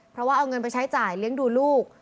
เพราะว่าเอาเงินไปใช้จ่ายเลี้ยงดูลูก